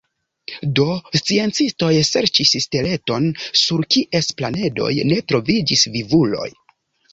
Do sciencistoj serĉis steleton sur kies planedoj ne troviĝis vivuloj.